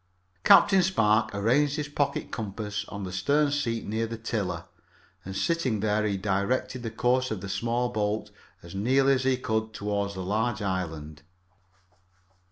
Captain Spark arranged his pocket compass on the stern seat near the tiller, and sitting there he directed the course of the small boat as nearly as he could toward the large island.